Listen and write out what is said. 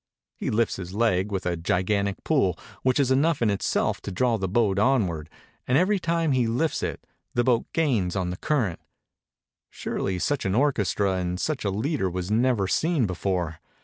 He lifts his leg with a gigantic pull, which is enough in itself to draw the boat onward, and every time he lifts it, the boat gains on the current. Surely such an orchestra and such a leader was never seen before.